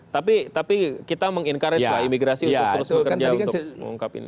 tapi kita meng encourage lah imigrasi untuk terus bekerja untuk mengungkap ini